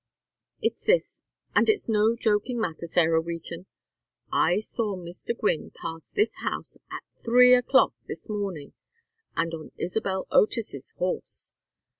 "It's this, and it's no joking matter, Sarah Wheaton. I saw Mr. Gwynne pass this house at three o'clock this morning, and on Isabel Otis's horse.